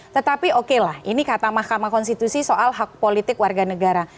tetapi oke lah ini kata mahkamah konstitusi soal hak politik warga negara